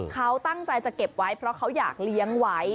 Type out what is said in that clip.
เขาตั้งใจจะเก็บไว้เพราะเขาอยากเลี้ยงไว้